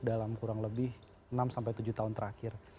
dalam kurang lebih enam sampai tujuh tahun terakhir